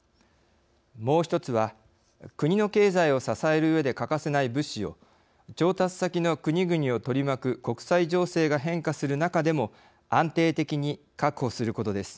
もう一つは国の経済を支えるうえで欠かせない物資を調達先の国々を取り巻く国際情勢が変化する中でも安定的に確保することです。